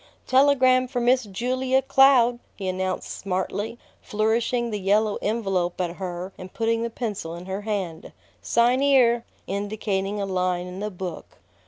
"Telegram for Miss Julia Cloud!" he announced smartly, flourishing the yellow envelope at her and putting the pencil in her hand. "Sign 'ere!" indicating a line in the book.